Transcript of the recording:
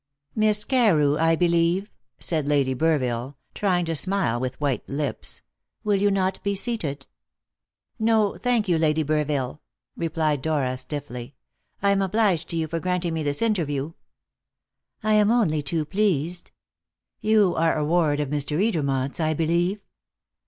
"Miss Carew, I believe?" said Lady Burville, trying to smile with white lips. "Will you not be seated?" "No, thank you, Lady Burville," replied Dora stiffly. "I am obliged to you for granting me this interview." "I am only too pleased. You are a ward of Mr. Edermont's, I believe?"